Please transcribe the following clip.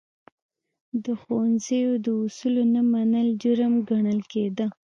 د ښوونځي د اصولو نه منل، جرم ګڼل کېده.